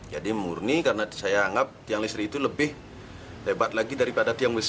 jadi mengurni karena saya anggap tiang listrik itu lebih lebat lagi daripada tiang listrik